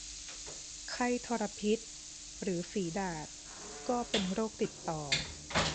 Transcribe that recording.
ไข้ทรพิษ หรือฝีดาษ ก็เป็นโรคติดต่อ